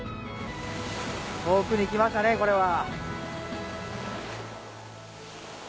遠くに来ましたねこれは。